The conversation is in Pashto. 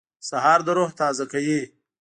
سهار د روح تازه کوي.